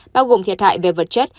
bao gồm thiệt hại về vật chất